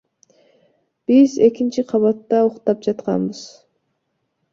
Биз экинчи кабатта уктап жатканбыз.